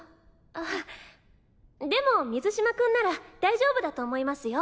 あでも水嶋君なら大丈夫だと思いますよ。